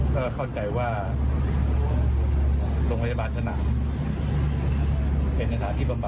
ก็เข้าใจว่าโรงพยาบาลสนามสำหรับผู้กู